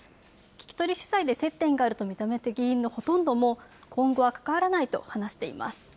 聞き取り取材で接点があると認めた議員のほとんども、今後は関わらないと話しています。